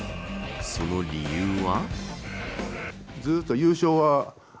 その理由は。